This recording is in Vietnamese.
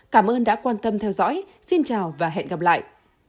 cảm ơn đã quan tâm theo dõi xin chào và hẹn gặp lại